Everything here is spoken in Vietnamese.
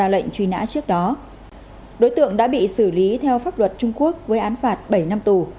lệnh truy nã trước đó đối tượng đã bị xử lý theo pháp luật trung quốc với án phạt bảy năm tù